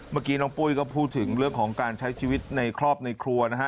เมื่อกี้น้องปุ้ยก็พูดถึงเรื่องของการใช้ชีวิตในครอบครัวนะฮะ